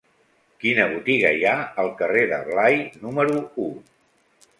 Quina botiga hi ha al carrer de Blai número u?